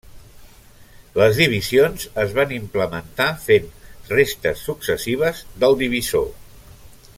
Les divisions es van implementar fent restes successives del divisor.